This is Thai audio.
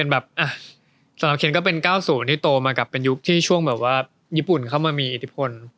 สำหรับเคนก็เป็น๙๐ที่โตมากับเป็นยุคที่ช่วงแบบว่าญี่ปุ่นเข้ามามีอิทธิพล